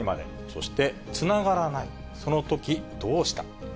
そして、つながらない、そのときどうした？